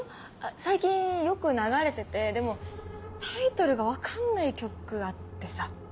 最近よく流れててでもタイトルが分かんない曲あってさ。